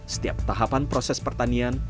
setiap tahapan proses pertanian